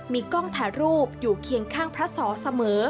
มีกล้องถ่ายรูปอยู่เคียงข้างพระสอเสมอ